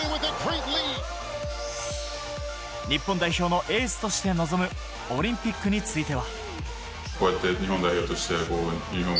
日本代表のエースとして臨むオリンピックについては。